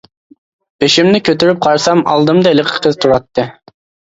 بېشىمنى كۆتۈرۈپ قارىسام ئالدىمدا ھېلىقى قىز تۇراتتى.